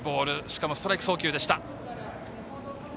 しかもストライク送球でした。